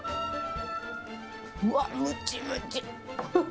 うわ、むちむち。